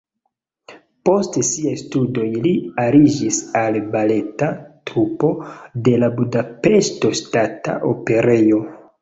Post siaj studoj li aliĝis al baleta trupo de la Budapeŝta Ŝtata Operejo.